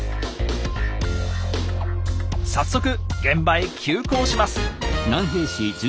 早速現場へ急行します。